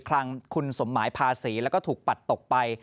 ลังคุณสมหมายภาษีแล้วก็ถูกปัดตกไป